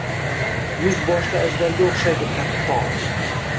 Yuz boshli ajdarga o’xshaydi qattol